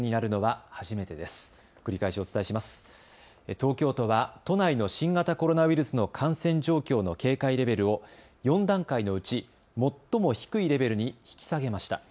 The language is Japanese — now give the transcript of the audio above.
東京都は都内の新型コロナウイルスの感染状況の警戒レベルを４段階のうち最も低いレベルに引き下げました。